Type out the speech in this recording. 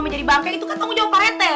menjadi bangke itu kan tanggung jawab pak rt